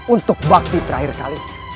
untuk bakti terakhir kali